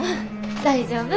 大丈夫。